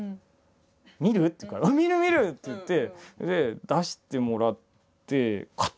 「見る？」って言うから「見る見る！」って言って出してもらってめくる。